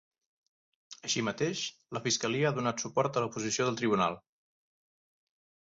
Així mateix, la fiscalia ha donat suport a la posició del tribunal.